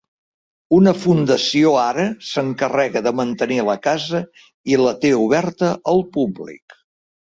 Una fundació ara s"encarrega de mantenir la casa i la té oberta al públic.